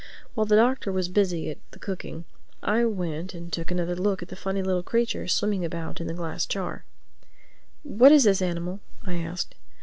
While the Doctor was busy at the cooking I went and took another look at the funny little creature swimming about in the glass jar. "What is this animal?" I asked.